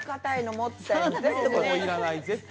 もういらないぜ。